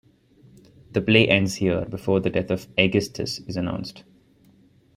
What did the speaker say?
The play ends here, before the death of Aegisthus is announced.